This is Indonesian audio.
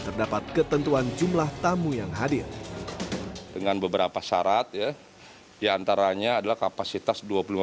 terdapat ketentuan jumlah tamu yang hadir dengan beberapa syarat ya diantaranya adalah kapasitas